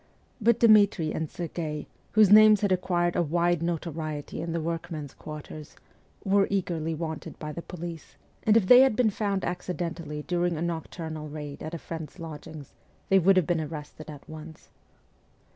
But Dmitri and Serghei, whose names had acquired a wide notoriety in the workmen's quarters, were eagerly wanted by the police ; and if they had been found accidentally during a nocturnal raid at a friend's lodgings they would have been arrested at once.